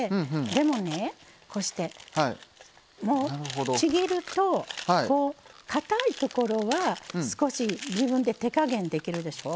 でもねこうしてちぎるとかたいところは少し自分で手加減できるでしょ。